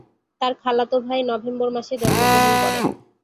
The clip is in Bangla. তার খালাতো ভাই নভেম্বর মাসে জন্মগ্রহণ করে।